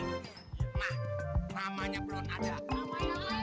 nah ramanya belum ada